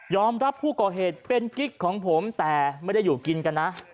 รับผู้ก่อเหตุเป็นกิ๊กของผมแต่ไม่ได้อยู่กินกันนะ